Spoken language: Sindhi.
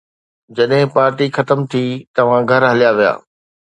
جڏهن پارٽي ختم ٿي، توهان گهر هليا ويا.